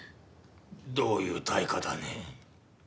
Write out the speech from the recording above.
どういう退化だね？